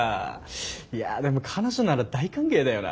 いやでも彼女なら大歓迎だよな。